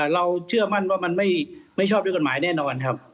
เชื่อมั่นว่ามันไม่ชอบด้วยกฎหมายแน่นอนครับ